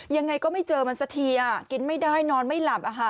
ยังไงก็ไม่เจอมันสักทีกินไม่ได้นอนไม่หลับ